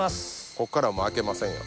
こっからもう開けませんよ